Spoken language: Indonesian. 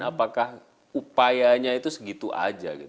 apakah upayanya itu segitu aja